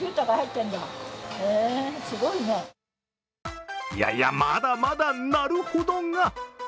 いやいや、まだまだなるほどが。